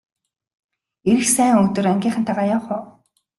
Ирэх сайн өдөр ангийнхантайгаа явах уу!